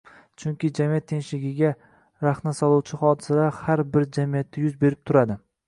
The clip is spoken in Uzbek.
chunki jamiyat tinchligiga rahna soluvchi hodisalar har bir jamiyatda yuz berib turadi